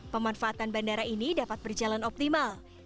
pemanfaatan bandara ini dapat berjalan optimal